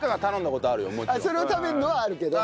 それを食べるのはあるけど？